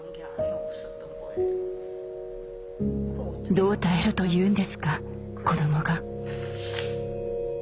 どう耐えろというんですか子どもが。